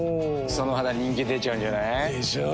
その肌人気出ちゃうんじゃない？でしょう。